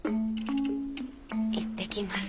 「いってきます」